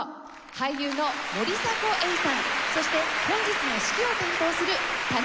俳優の森迫永依さんそして本日の指揮を担当する田中祐子さんです。